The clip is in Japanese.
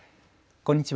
こんにちは。